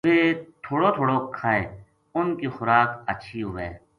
ویہ تھوڑو تھوڑو کھائے اُنھ کی خوراک ہچھی ہووے۔